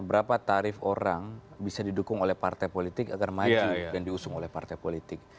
berapa tarif orang bisa didukung oleh partai politik agar maju dan diusung oleh partai politik